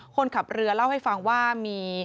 คนขับเรือเล่าให้ฟังว่ามี